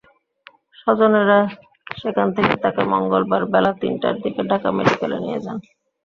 স্বজনেরা সেখান থেকে তাঁকে মঙ্গলবার বেলা তিনটার দিকে ঢাকা মেডিকেলে নিয়ে যান।